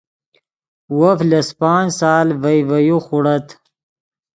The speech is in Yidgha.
وف لس پانچ سال ڤئے ڤے یو خوڑت